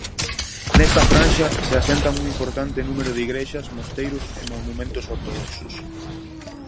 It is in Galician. Nesta franxa se asentan un importante número de igrexas, mosteiros e monumentos ortodoxos.